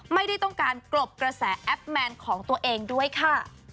ไม่ได้ต้องการกลบกระแสแอปแมนของตัวเองด้วยค่ะ